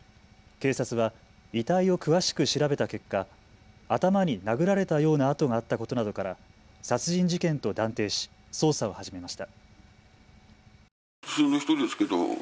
警察は遺体を詳しく調べた結果、頭に殴られたような痕があったことなどから殺人事件と断定し捜査を始めました。